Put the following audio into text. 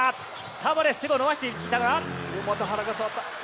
タバレス、手を伸ばしていたが。